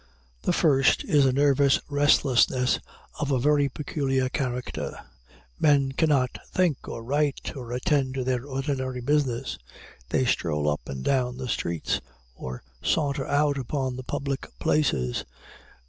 The first is a nervous restlessness of a very peculiar character. Men cannot think, or write, or attend to their ordinary business. They stroll up and down the streets, or saunter out upon the public places.